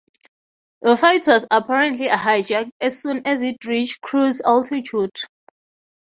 The flight was apparently hijacked as soon as it reached cruise altitude.